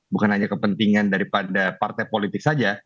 bukan hanya kepentingan daripada partai politik saja